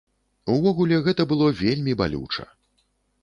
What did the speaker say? Увогуле, гэта было вельмі балюча.